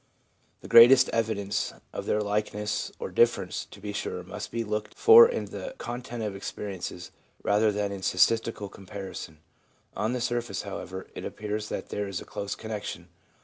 The greatest evidence of their likeness or difference, to be sure, must be looked for in the content of the experiences, rather than in a statistical compari son. On the surface, however, it appears that there is a close connection.